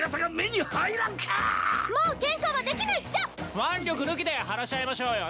腕力抜きで話し合いましょうよね！